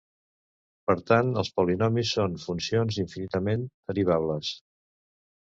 Per tant, els polinomis són funcions infinitament derivables.